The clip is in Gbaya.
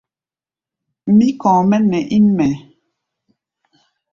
Mí kɔ̧ɔ̧ mɛ́ nɛ ín mɛɛ.